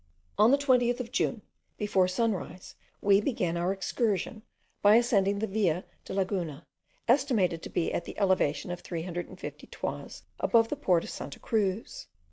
On the 20th of June, before sunrise, we began our excursion by ascending to the Villa de Laguna, estimated to be at the elevation of 350 toises above the port of Santa Cruz.